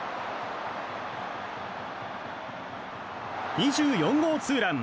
２４号ツーラン！